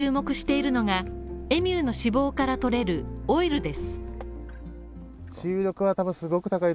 さらに注目しているのが、エミューの脂肪からとれるオイルです。